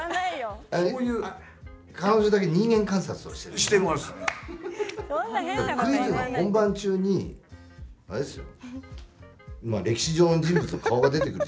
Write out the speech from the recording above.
だってクイズの本番中にあれですよ。